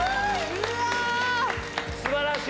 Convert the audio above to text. ・うわ！素晴らしい！